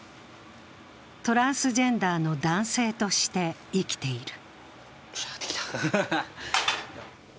トランスジェンダーの男性として生きている。